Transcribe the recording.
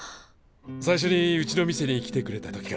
最初にうちの店に来てくれた時から。